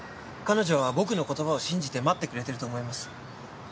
彼女は僕の言葉を信じて待ってくれていると思います。